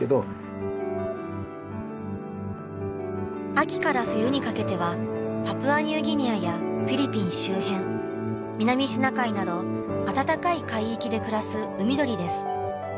秋から冬にかけてはパプアニューギニアやフィリピン周辺南シナ海など暖かい海域で暮らす海鳥です。